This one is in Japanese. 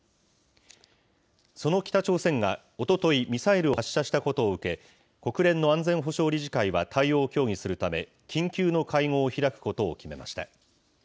その北朝鮮がおととい、ミサイルを発射したことを受け、国連の安全保障理事会は対応を協議するため、緊急の会合を開くことを決めました。